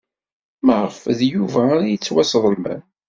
Maɣef d Yuba ara yettwasḍelmen?